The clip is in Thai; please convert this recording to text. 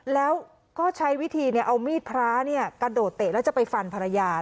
แล้วก็ใช้วิธีเอามีดพระกระโดดเตะแล้วจะไปฟันภรรยา